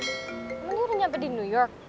emel dia udah nyampe di new york